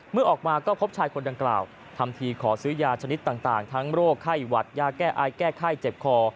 เมื่อออกมาก็พบชายคนดังกล่าวทำทีขอซื้อยาชนิดต่างทั้งโรคไข้หวัดยาแก้อายแก้ไข้เจ็บคอ